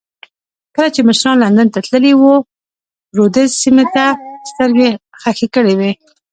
کله چې مشران لندن ته تللي وو رودز سیمې ته سترګې خښې کړې وې.